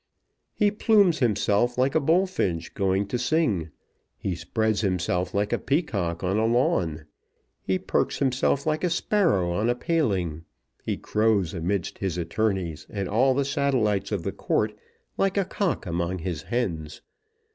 He plumes himself like a bullfinch going to sing. He spreads himself like a peacock on a lawn. He perks himself like a sparrow on a paling. He crows amidst his attorneys and all the satellites of the court like a cock among his hens.